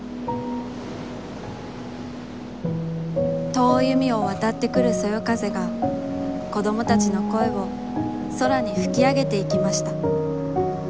遠い海をわたってくるそよ風が、子どもたちの声を、空にふきあげていきました。